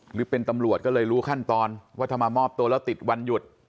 หรือเป็นตำรวจก็เลยรู้ขั้นตอนว่าถ้ามามอบตัวแล้วติดวันหยุด